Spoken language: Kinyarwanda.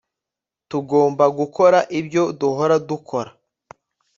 Tugomba gukora ibyo duhora dukora